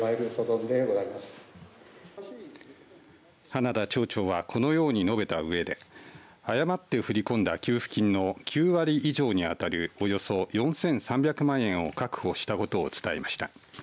花田町長はこのように述べたうえで誤って振り込んだ給付金の９割以上にあたるおよそ４３００万円を確保したことを伝えました。